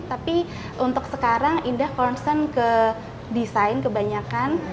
tapi untuk sekarang indah concern ke desain kebanyakan